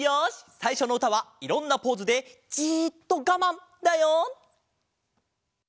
さいしょのうたはいろんなポーズでじっとガマンだよ！